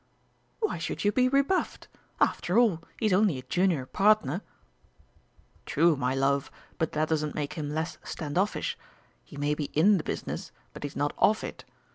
"Why should you be rebuffed? After all, he's only a junior partner!" "True, my love, but that doesn't make him less stand offish. He may be in the business, but he's not of it.